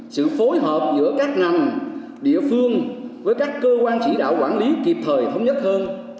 sự phối hợp giữa các ngành địa phương với các cơ quan chỉ đạo quản lý kịp thời thống nhất hơn